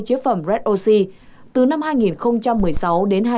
chế phẩm redoxi từ năm hai nghìn một mươi sáu đến hai nghìn một mươi bảy